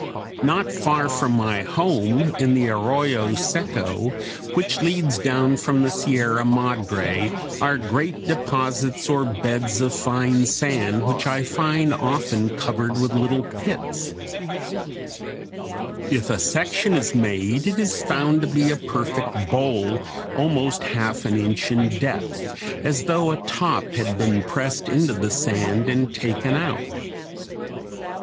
Not far from my home, in the Arroyo Seco, which leads down from the Sierra Madre, are great deposits or beds of fine sand which I find often covered with little pits (Fig. 186). If a section is made (Fig. 187), it is found to be a perfect bowl almost half an inch in depth, as though a top had been pressed into the sand and taken out.